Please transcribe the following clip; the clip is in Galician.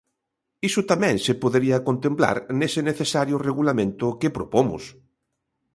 Iso tamén se podería contemplar nese necesario regulamento que propomos.